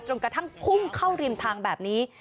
กระทั่งพุ่งเข้าริมทางแบบนี้